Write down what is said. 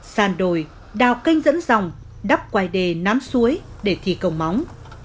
sàn đồi đào canh dẫn dòng đắp quài đề nắm suối để thi công móng